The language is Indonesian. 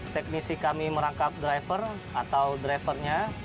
teknisi kami merangkap driver atau drivernya